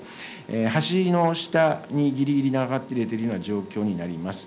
橋の下にぎりぎり流れているような状況になります。